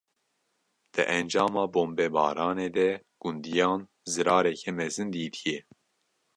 Di encama bombebaranê de gundiyan, zirareke mezin dîtiye